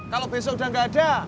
kalau besok udah nggak ada